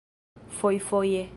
fojfoje